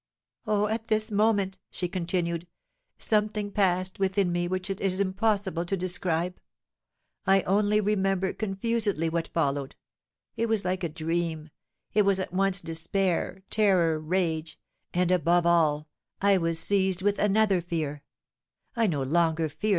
"Oh! at this moment," she continued, "something passed within me which it is impossible to describe. I only remember confusedly what followed, it was like a dream, it was at once despair, terror, rage, and above all, I was seized with another fear; I no longer feared M.